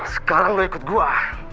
sekarang lu ikut gue